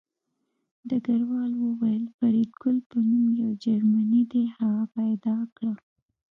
ډګروال وویل فریدګل په نوم یو جرمنی دی هغه پیدا کړه